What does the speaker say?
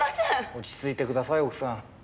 落ち着いてください奥さん。